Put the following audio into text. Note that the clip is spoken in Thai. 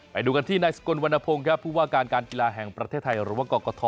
ไปดูกันที่นายสกลวรรณพงศ์ครับผู้ว่าการการกีฬาแห่งประเทศไทยหรือว่ากรกฐ